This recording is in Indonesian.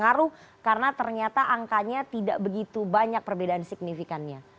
pengaruh karena ternyata angkanya tidak begitu banyak perbedaan signifikannya